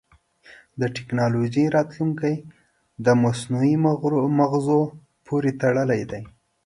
د ټکنالوجۍ راتلونکی د مصنوعي مغزو پورې تړلی دی.